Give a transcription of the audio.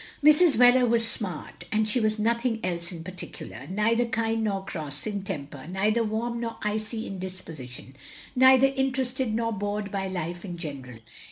Mrs. Wheler was smart^ and she was nothing else in particular. Neither kind nor cross, in temper; neither warm nor icy in disposition; neither interested nor bored by life in general.